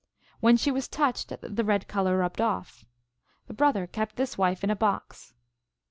When she was touched the red color rubbed off. The brother kept this wife in a box.